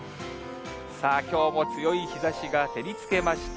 さあ、きょうも強い日ざしが照りつけました。